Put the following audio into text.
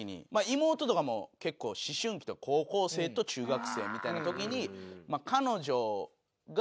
妹とかも結構思春期高校生と中学生みたいな時に。